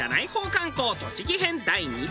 観光栃木編第２弾。